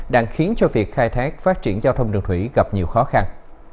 đang khiến cho việc khai thác phát triển giao thông đường thủy gặp nhiều khó khăn